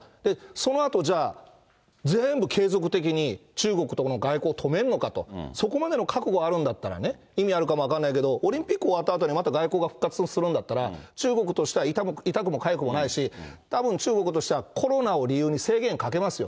そのあとじゃあ、全部継続的に、中国との外交を止めんのかと、そこまでの覚悟はあるんだったらね、意味あるかも分からないけど、オリンピック終わったあとにまた外交が復活するんだったら、中国としては痛くもかゆくもないし、たぶん中国としてはコロナを理由に制限かけますよ。